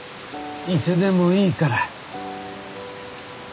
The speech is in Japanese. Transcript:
いつでもいいから。